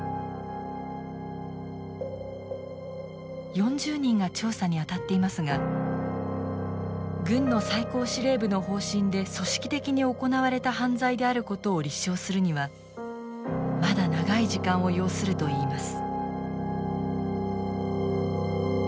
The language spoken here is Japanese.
４０人が調査に当たっていますが軍の最高司令部の方針で組織的に行われた犯罪であることを立証するにはまだ長い時間を要するといいます。